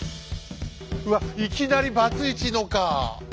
うわいきなり「バツイチの」か！